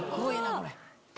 これ。